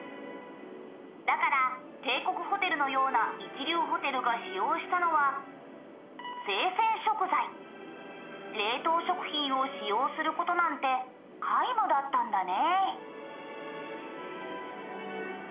「だから帝国ホテルのような一流ホテルが使用したのは生鮮食材」「冷凍食品を使用することなんて皆無だったんだね」